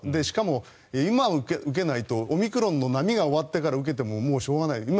しかも今受けないとオミクロンの波が終わってから受けてももうしょうがない。